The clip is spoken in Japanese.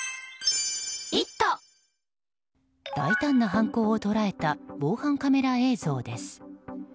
大胆な犯行を捉えた防犯カメラ映像です。